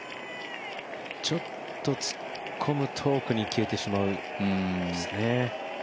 ちょっと突っ込むと奥に消えてしまう。